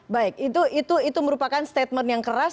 baik itu merupakan statement yang keras